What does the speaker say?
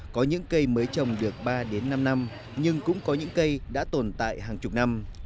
có những cây mới trồng được ba đến năm năm nhưng cũng có những cây đã tồn tại hàng chục năm